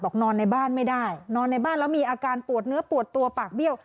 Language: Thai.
นอนในบ้านไม่ได้นอนในบ้านแล้วมีอาการปวดเนื้อปวดตัวปากเบี้ยว